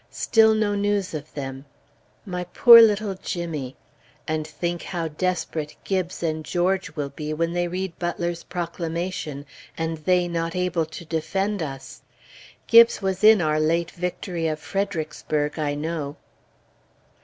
Still no news of them. My poor little Jimmy! And think how desperate Gibbes and George will be when they read Butler's proclamation, and they not able to defend us! Gibbes was in our late victory of Fredericksburg, I know.